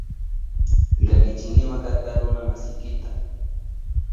Llakichinkima karka runa masiykita.